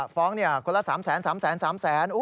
ฟ้องคนละ๓๓แสน